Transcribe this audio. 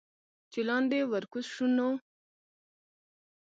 چې لاندې ورکوز شو نو